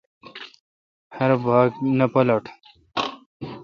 ہر باگ نہ پالٹل۔